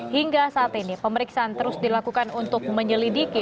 hingga saat ini pemeriksaan terus dilakukan untuk menyelidiki